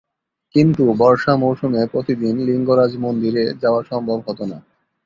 কিন্তু বর্ষা মৌসুমে প্রতিদিন লিঙ্গরাজ মন্দিরে যাওয়া সম্ভব হতো না।